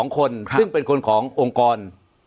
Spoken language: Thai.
๒คนซึ่งเป็นคนขององค์กร